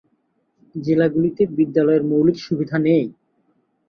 জেলাগুলিতে বিদ্যালয়ের মৌলিক সুবিধা নেই।